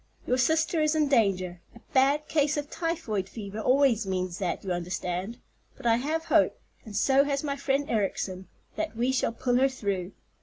Your sister is in danger—a bad case of typhoid fever always means that, you understand; but I have hope, and so has my friend Ericson, that we shall pull her through.